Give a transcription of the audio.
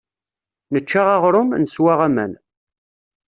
Nečča aɣrum, neswa aman.